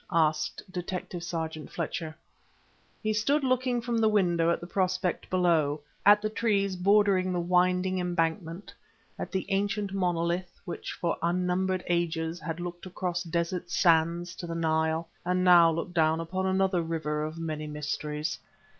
asked Detective sergeant Fletcher. He stood looking from the window at the prospect below; at the trees bordering the winding embankment; at the ancient monolith which for unnumbered ages had looked across desert sands to the Nile, and now looked down upon another river of many mysteries.